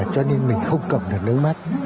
cho nên mình không cầm được nước mắt